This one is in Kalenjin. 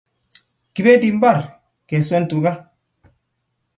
Kibendi imbar keswen tuka